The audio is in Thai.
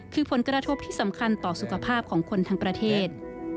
คือผลกระทบที่สำคัญต่อสุขภาพของคนทั้งประเทศ